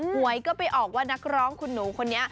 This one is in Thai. หวยก็ไปออกว่านักร้องคุณหนูคนนี้